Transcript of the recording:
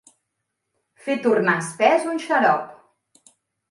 Fer tornar espès un xarop.